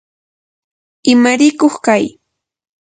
imarikuq kay